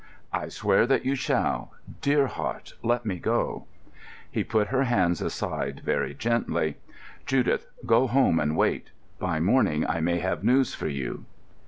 "I swear that you shall. Dear heart, let me go." He put her hands aside very gently. "Judith, go home and wait. By morning I may have news for you."